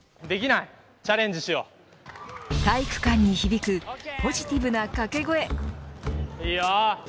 体育館に響くポジティブな掛け声。